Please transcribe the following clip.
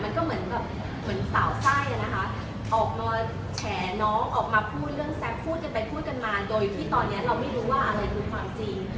มันก็เหมือนแบบเหมือนสาวไส้อะนะคะออกมาแฉน้องออกมาพูดเรื่องแซ่บพูดกันไปพูดกันมาโดยที่ตอนนี้เราไม่รู้ว่าอะไรคือความจริง